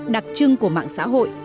đặc trưng của mạng xã hội